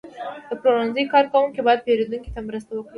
د پلورنځي کارکوونکي باید پیرودونکو ته مرسته وکړي.